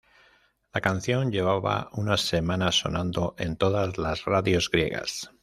La canción llevaba una semana sonando en todas las radios griegas.